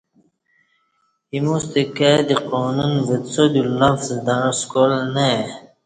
ایموستہ کائی دی قانون وڅادیو لفظ تݩع سکال نہ ائے